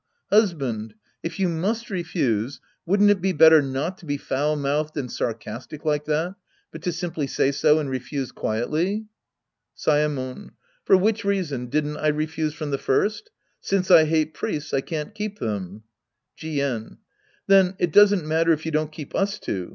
Hus band, if you must refuse, wouldn't it be better not to be foul mouthed and sarcastic like that, but to simply say so and refuse quietly ? Saemon. For wJbich reason, didn't I refuse from the first ? Since I hate priests, I can't keep them. Jieju Then, it doesn't matter if you don't keep us two.